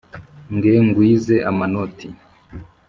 ge ngwize amanoti